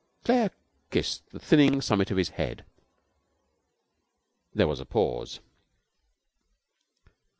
Claire kissed the thinning summit of his head. There was a pause.